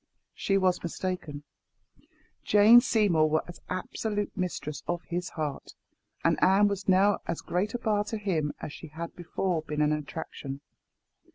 She was mistaken. Jane Seymour was absolute mistress of his heart; and Anne was now as great a bar to him as she had before been an attraction.